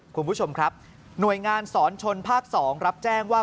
คุณผู้ชมครับหน่วยงานสอนชนภาค๒รับแจ้งว่า